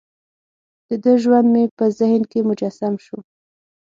دده ژوند مې په ذهن کې مجسم شو.